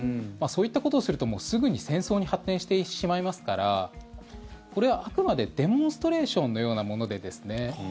そういったことをすると、すぐに戦争に発展してしまいますからこれはあくまでデモンストレーションのようなもので。